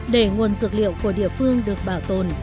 để nguồn dược liệu của địa phương được bảo tồn